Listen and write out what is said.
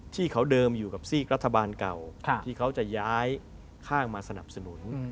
ที่เขาเดิมอยู่กับซีกรัฐบาลเก่าที่เขาจะย้ายข้างมาสนับสนุน